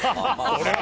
これは。